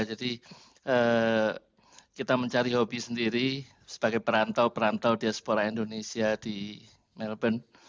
jadi kita mencari hobi sendiri sebagai perantau perantau diaspora indonesia di melbourne